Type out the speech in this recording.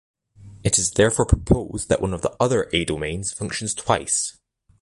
It is therefore proposed that one of the other A domains functions twice.